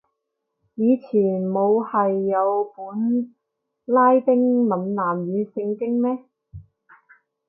以前冇係有本拉丁閩南語聖經咩